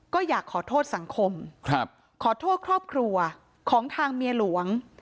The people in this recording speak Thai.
ก็อยากขอโทษสังคมขอโทษครอบครัวของทางเมียหลวง